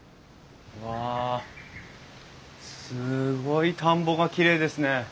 わあすごい田んぼがきれいですね。